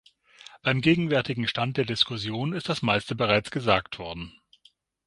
Beim gegenwärtigen Stand der Diskussion ist das meiste bereits gesagt worden.